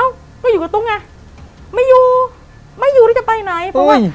ก็อยู่กับตุ๊กไงไม่อยู่ไม่อยู่ที่จะไปไหนเพราะว่า